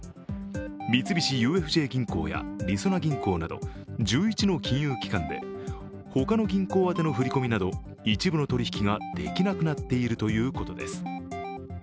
三菱ＵＦＪ銀行やりそな銀行など１１の金融機関で、他の銀行宛の振り込みなど一部の取り引きができなくなっているということです。